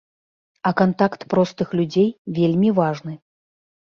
А кантакт простых людзей вельмі важны.